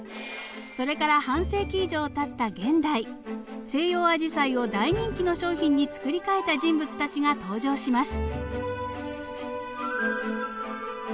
それから半世紀以上たった現代西洋アジサイを大人気の商品につくり替えた人物たちが登場します。